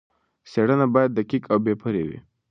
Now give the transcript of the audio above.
څېړنه باید دقیق او بې پرې وي.